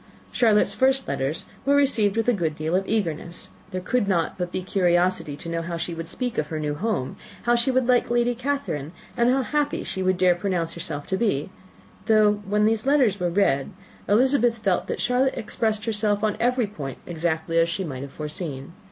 Charlotte's first letters were received with a good deal of eagerness: there could not but be curiosity to know how she would speak of her new home, how she would like Lady Catherine, and how happy she would dare pronounce herself to be; though, when the letters were read, Elizabeth felt that Charlotte expressed herself on every point exactly as she might have foreseen.